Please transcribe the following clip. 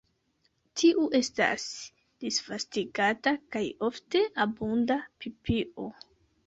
Tiu estas disvastigata kaj ofte abunda pipio.